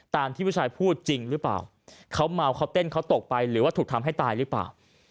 ตามที่ผู้ชายพูดจริงหรือเปล่าเขาเมาเขาเต้นเขาตกไปหรือว่าถูกทำให้ตายหรือเปล่า